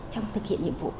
trong thực hiện nhiệm vụ